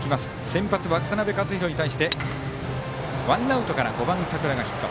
先発、渡辺和大に対してワンアウトから５番佐倉がヒット。